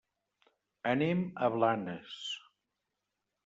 Anem a Blanes.